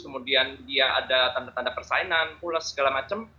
kemudian dia ada tanda tanda persainan pulas segala macem